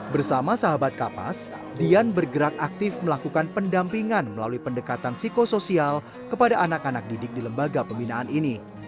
bersama sahabat kapas dian bergerak aktif melakukan pendampingan melalui pendekatan psikosoial kepada anak anak didik di lembaga pembinaan ini